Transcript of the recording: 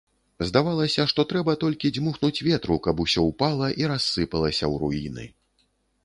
Здавалася, што трэба толькі дзьмухнуць ветру, каб усё ўпала і рассыпалася ў руіны.